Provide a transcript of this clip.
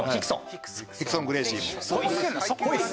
ヒクソン・グレイシーも。